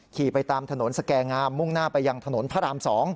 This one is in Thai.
ขี่ไปตามถนนสแก่งามมุ่งหน้าไปยังถนนพระราม๒